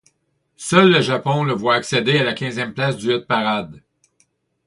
Seul le Japon le voit accéder à la quinzième place du hit-parade.